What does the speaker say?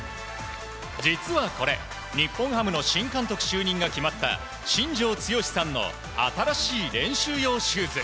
実はこれ、日本ハムの新監督就任が決まった新庄剛志さんの新しい練習用シューズ。